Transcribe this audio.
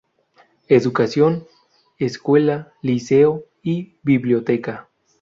Educación: escuela, liceo y biblioteca.